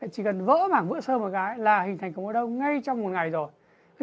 chỉ cần vỡ mảng vữa sơ một cái là hình thành cục máu đông ngay trong một ngày rồi